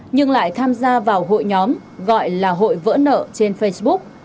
nhưng lại tham gia vào hội nhóm gọi là hội vỡ nợ trên facebook